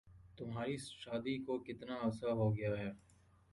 تمہاری شادی کو کتنا عرصہ ہو گیا ہے؟